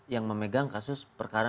yang memegang kasus perkara